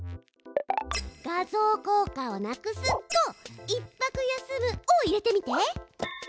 「画像効果をなくす」と「１拍休む」を入れてみて。